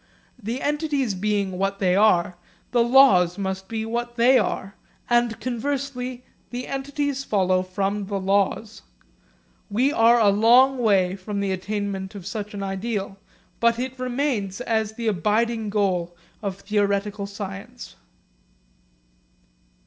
The entities being what they are, the laws must be what they are; and conversely the entities follow from the laws. We are a long way from the attainment of such an ideal; but it remains as the abiding goal of theoretical science.